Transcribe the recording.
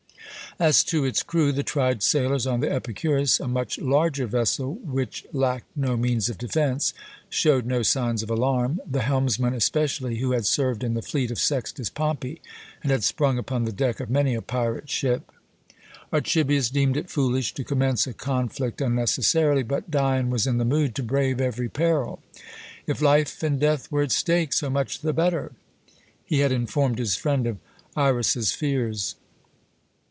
As to its crew, the tried sailors on the Epicurus, a much larger vessel, which lacked no means of defence, showed no signs of alarm, the helmsman especially, who had served in the fleet of Sextus Pompey, and had sprung upon the deck of many a pirate ship. Archibius deemed it foolish to commence a conflict unnecessarily. But Dion was in the mood to brave every peril. If life and death were at stake, so much the better! He had informed his friend of Iras's fears.